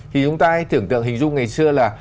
thì chúng ta hãy tưởng tượng hình dung ngày xưa là